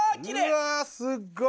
うわすっごい！